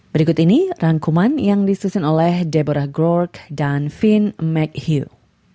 berikut ini rangkuman yang disusun oleh deborah gork dan finn mchugh